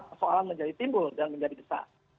persoalan menjadi timbul dan menjadi besar